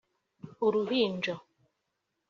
‘Uruhinja’